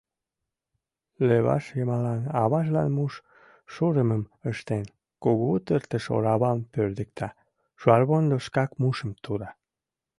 Левашйымалан аважлан муш шурымым ыштен: кугу тыртыш оравам пӧрдыкта, шуарвондо шкак мушым тура.